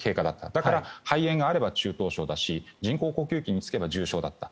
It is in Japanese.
だから、肺炎があれば中等症だし人工呼吸器につけば重症だった。